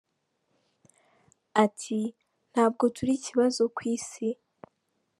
Ati “Ntabwo turi ikibazo ku Isi.